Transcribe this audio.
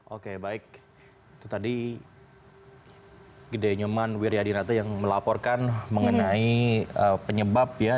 oke baik itu tadi gede nyoman wiryadinata yang melaporkan mengenai penyebab ya